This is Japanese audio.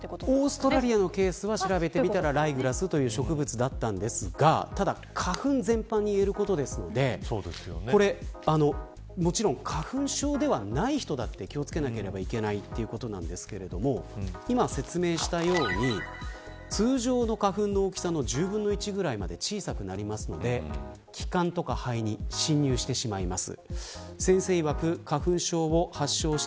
オーストラリアのケースは調べてみたらライグラスという植物だったんですがただ花粉全般に言えることですのでもちろん花粉症ではない人も気を付けなければいけないということでなんですけども今、説明したように通常の花粉の大きさの１０分の１ぐらいまで小さくなるので気管や肺に侵入してしまいます。